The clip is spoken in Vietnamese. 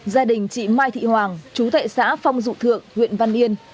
gia đình chị mai thị hoàng chú tại xã phong dụ thượng huyện văn yên